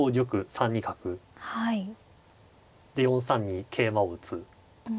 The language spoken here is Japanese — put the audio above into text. ３二角で４三に桂馬を打つ。